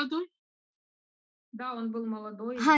はい。